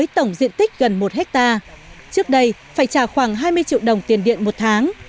tích gần một hectare trước đây phải trả khoảng hai mươi triệu đồng tiền điện một tháng